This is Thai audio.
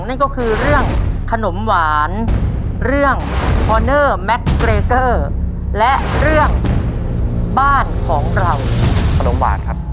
นั่นก็คือเรื่องขนมหวานเรื่องและเรื่องบ้านของเราขนมหวานครับ